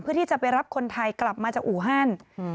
เพื่อที่จะไปรับคนไทยกลับมาจากอู่ฮัน